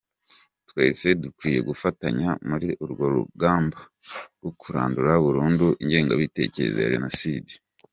Twese dukwiye gufatanya muri urwo rugamba rwo kurandura burundu ingengabitekerezo ya Jenoside”.